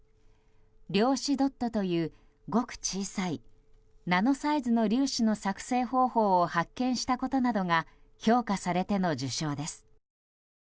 量子ドットという、ごく小さいナノサイズの粒子の作製方法を発見したことなどが評価されての受賞です。